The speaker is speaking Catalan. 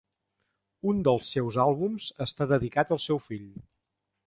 Un dels seus àlbums està dedicat al seu fill.